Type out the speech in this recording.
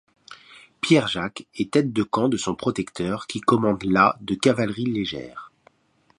Pierre-Jacques est aide-de-camp de son protecteur qui commande la de cavalerie légère.